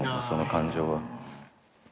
その感情は。